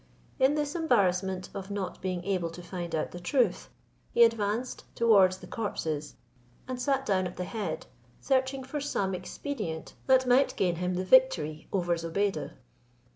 In this embarrassment of not being able to find out the truth, he advanced towards the corpses, and sat down at the head, searching for some expedient that might gain him the victory over Zobeide.